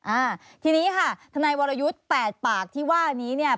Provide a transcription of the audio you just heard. อ่าทีนี้ค่ะทนายวรยุทธ์แปดปากที่ว่านี้เนี่ย